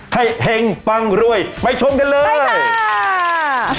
ให้แฮงปังรวยไปชมกันเลยไปค่ะ